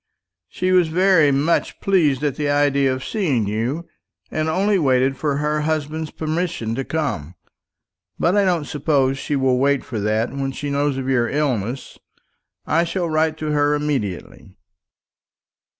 She was very much pleased at the idea of seeing you, and only waited for her husband's permission to come. But I don't suppose she will wait for that when she knows of your illness. I shall write to her immediately."